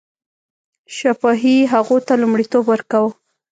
شفاهي هغو ته لومړیتوب ورکاوه.